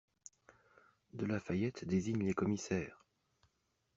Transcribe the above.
De La Fayette désigne les commissaires!